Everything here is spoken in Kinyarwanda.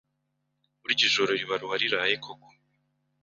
Burya ijoro ribara uwariraye koko,